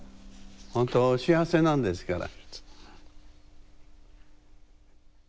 本当お幸せなんですから。